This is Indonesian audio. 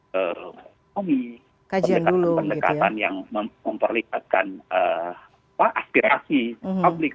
ekonomi pendekatan pendekatan yang memperlihatkan aspirasi publik